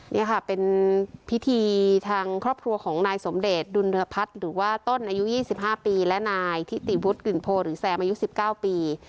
นี่ค่ะเป็นพิธีทางครอบครัวของนายสมเดชดุลพัฒน์หรือว่าต้นอายุ๒๕ปีและนายทิติวุฒิกึ่งโพหรือแซมอายุ๑๙ปี